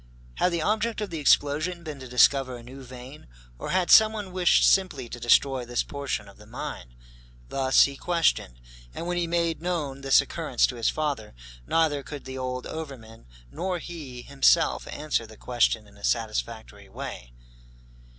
Had the object of the explosion been to discover a new vein? Or had someone wished simply to destroy this portion of the mine? Thus he questioned, and when he made known this occurrence to his father, neither could the old overman nor he himself answer the question in a satisfactory way.